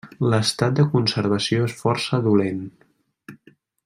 L'estat de conservació és força dolent.